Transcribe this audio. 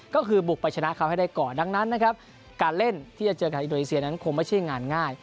ก็คือบุกไปชนะเขาให้ได้ก่อนดังนั้นนะครับการเล่นที่จะเจอกับอินโดนีเซียนั้นคงไม่ใช่งานง่าย